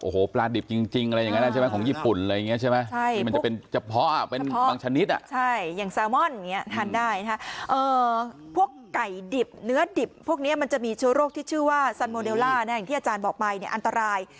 ไหนดิบเนื้อดิบพวกนี้มันจะมีเชื้อโรคที่ชื่อว่าซัลโมเดลล่าอย่างที่อาจารย์บอกไปอันตราย